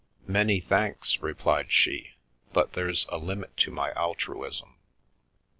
" Many thanks," replied she, " but there's a limit to my altruism.